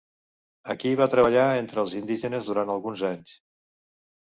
Aquí va treballar entre els indígenes durant alguns anys.